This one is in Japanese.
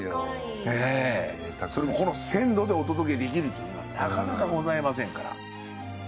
それもこの鮮度でお届けできるというのはなかなかございませんから。